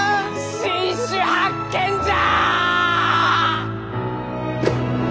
新種発見じゃ！